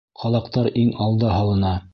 Ҡалаҡтар иң алда һалына.